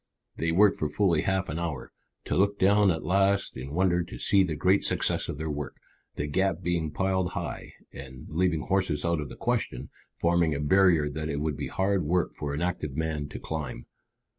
They worked for fully half an hour, to look down at last in wonder to see the great success of their work, the gap being piled high, and, leaving horses out of the question, forming a barrier that it would be hard work for an active man to climb.